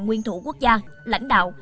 nguyên thủ quốc gia lãnh đạo